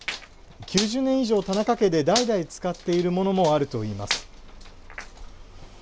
９０年以上、田中家で代々使っているものもあるといいます。